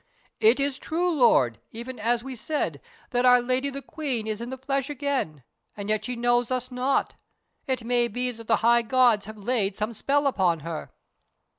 It is true, Lord, even as we said, that our Lady the Queen is in the flesh again, and yet she knows us not. It may be that the High Gods have laid some spell upon her."